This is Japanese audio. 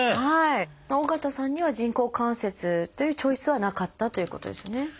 緒方さんには人工関節というチョイスはなかったということですよね。